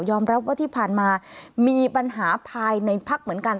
รับว่าที่ผ่านมามีปัญหาภายในพักเหมือนกัน